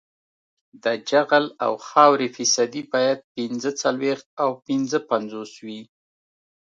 د جغل او خاورې فیصدي باید پینځه څلویښت او پنځه پنځوس وي